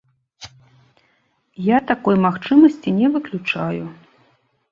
Я такой магчымасці не выключаю.